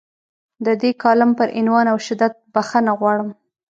د دې کالم پر عنوان او شدت بخښنه غواړم.